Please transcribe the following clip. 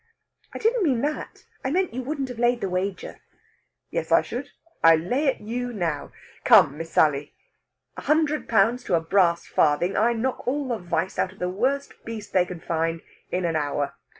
"I didn't mean that. I meant you wouldn't have laid the wager." "Yes, I should. I lay it you now! Come, Miss Sally! a hundred pounds to a brass farthing I knock all the vice out of the worst beast they can find in an hour.